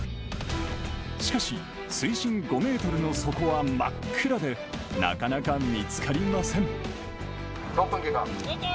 しかし、水深５メートルの底は真っ暗で、なかなか見つかりません。